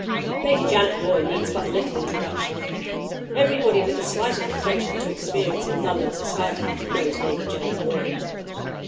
Lady Janet Roy needs but little introduction. Everybody with the slightest pretension to experience in London society knows Lady Janet Roy.